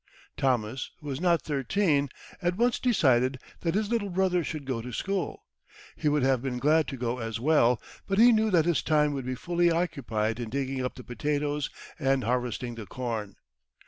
Thomas, who was not thirteen, at once decided that his little brother should go to school. He would have been glad to go as well, but he knew that his time would be fully occupied in digging up the potatoes and harvesting the corn.